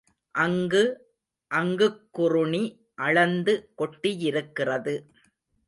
அங்கு அங்குக் குறுணி அளந்து கொட்டியிருக்கிறது.